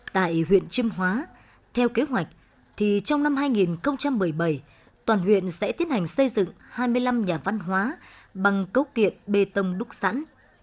tại huyện chiêm hóa theo kế hoạch thì trong năm hai nghìn một mươi bảy toàn huyện sẽ tiến hành xây dựng hai mươi năm nhà văn hóa bằng cấu kiện bê tông đúc sẵn